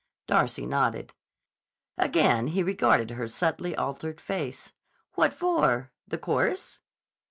Darcy nodded. Again he regarded her subtly altered face. "What for? The chorus?"